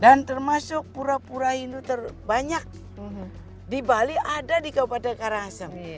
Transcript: dan termasuk pura pura hindu terbanyak di bali ada di kabupaten karangasem